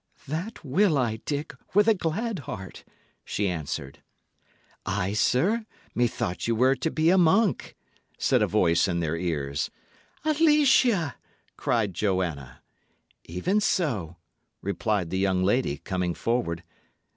"That will I, Dick, with a glad heart," she answered. "Ay, sir? Methought ye were to be a monk!" said a voice in their ears. "Alicia!" cried Joanna. "Even so," replied the young lady, coming forward.